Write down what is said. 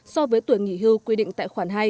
so với tuổi nghỉ hưu quy định tại khoản hai